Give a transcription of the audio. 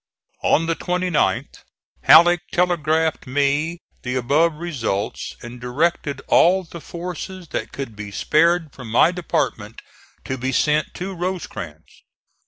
On the 29th Halleck telegraphed me the above results, and directed all the forces that could be spared from my department to be sent to Rosecrans.